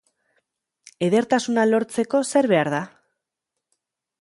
Edertasuna lortzeko, zer behar da?